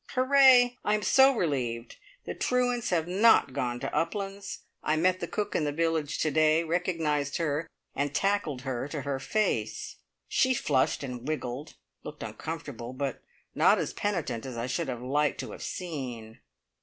Hurrah! I am so relieved. The truants have not gone to Uplands. I met the cook in the village to day, recognised her, and tackled her to her face. She flushed and wriggled, looked uncomfortable, but not as penitent as I should have liked to have seen.